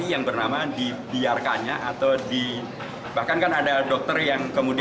yang menang di luar jalur hukum tersebut